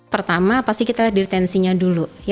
pertama pasti kita lihat dari tensinya dulu